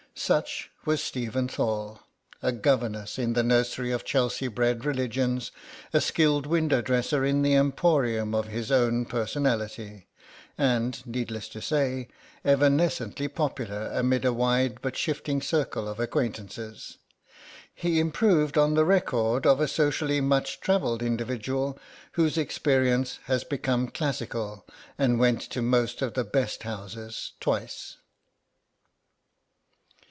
Such was Stephen Thorle, a governess in the nursery of Chelsea bred religions, a skilled window dresser in the emporium of his own personality, and needless to say, evanescently popular amid a wide but shifting circle of acquaintances. He improved on the record of a socially much travelled individual whose experience has become classical, and went to most of the best houses—twice.